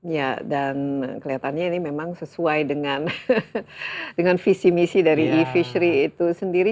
ya dan kelihatannya ini memang sesuai dengan visi misi dari e fishery itu sendiri